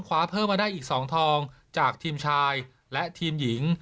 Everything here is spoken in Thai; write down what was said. คว้าเพิ่มมาได้อีก๒ทองจากทีมชายและทีมหญิง